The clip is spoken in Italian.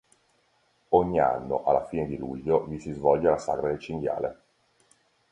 Ogni anno, alla fine di luglio, vi si svolge la "Sagra del cinghiale".